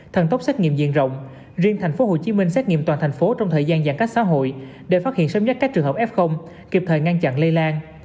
thần tốc xét nghiệm diện rộng riêng tp hcm xét nghiệm toàn thành phố trong thời gian giãn cách xã hội để phát hiện sớm nhất các trường hợp f kịp thời ngăn chặn lây lan